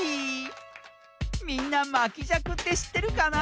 みんなまきじゃくってしってるかな？